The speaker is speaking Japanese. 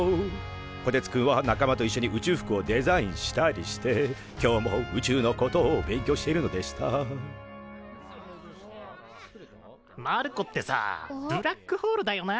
こてつくんは仲間といっしょに宇宙服をデザインしたりして今日も宇宙のことを勉強しているのでしたマルコってさぁブラックホールだよな。